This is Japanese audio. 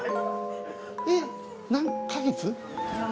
えっ何か月？